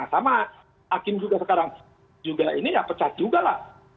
sama hakim juga sekarang juga ini ya pecat juga lah